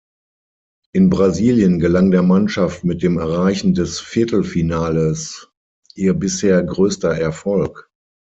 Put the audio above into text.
In Brasilien gelang der Mannschaft mit dem Erreichen des Viertelfinales ihr bisher größter Erfolg.